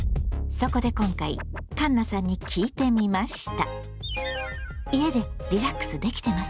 そこで今回かんなさんに聞いてみました。